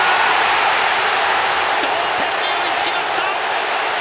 同点に追いつきました！